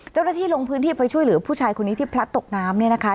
เจ้าหน้าที่ลงพื้นที่ไปช่วยเหลือผู้ชายคนนี้ที่พลัดตกน้ำเนี่ยนะคะ